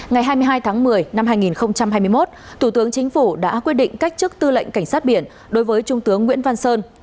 ngày hai mươi hai tháng một mươi năm hai nghìn hai mươi một thủ tướng chính phủ đã quyết định cách chức tư lệnh cảnh sát biển đối với trung tướng nguyễn văn sơn